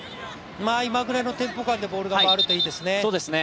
今ぐらいのテンポ感でボールが回るといいですね。